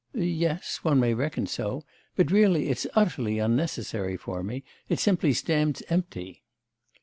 'Yes, one may reckon so.... But really it's utterly unnecessary for me. It simply stands empty.